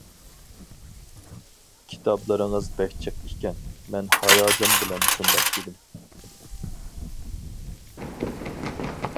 «كىتابلىرىڭىز بەك جىق ئىكەن! » مەن ھاياجان بىلەن شۇنداق دېدىم.